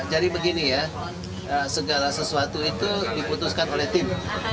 jadi begini ya segala sesuatu itu diputuskan oleh tim